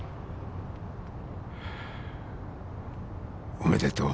おめでとう。